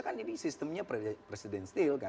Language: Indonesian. kan ini sistemnya presiden still